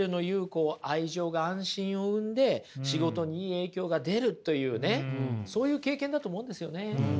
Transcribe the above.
こう愛情が安心を生んで仕事にいい影響が出るというねそういう経験だと思うんですよね。